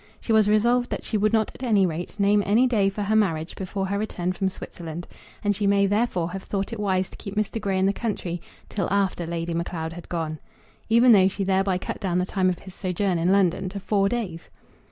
She was resolved that she would not at any rate name any day for her marriage before her return from Switzerland; and she may therefore have thought it wise to keep Mr. Grey in the country till after Lady Macleod had gone, even though she thereby cut down the time of his sojourn in London to four days.